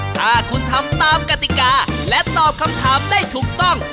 ถ้าคุณทำตามกติกาและตอบคำถามได้ถูกต้อง